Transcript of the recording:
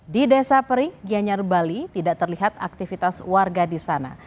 di desa pering gianyar bali tidak terlihat aktivitas warga di sana